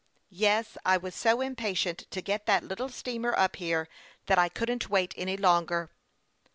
" Yes ; I was so impatient to got that little steamer up here, that I couldn't wait any longer."